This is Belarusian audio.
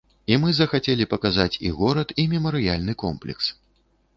І мы захацелі паказаць і горад, і мемарыяльны комплекс.